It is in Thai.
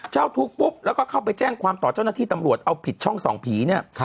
เจ้าทุกข์ปุ๊บแล้วก็เข้าไปแจ้งความต่อเจ้าหน้าที่ตำรวจเอาผิดช่องส่องผีเนี่ย